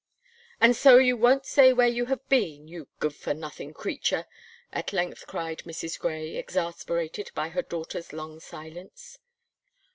"And so you won't say where you have been, you good for nothing creature," at length cried Mrs. Gray, exasperated by her daughter's long silence.